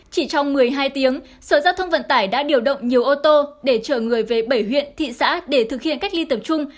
chỉ trong một mươi hai tiếng sở giao thông vận tải đã điều động nhiều ô tô để chở người về bảy huyện thị xã để thực hiện cách ly tập trung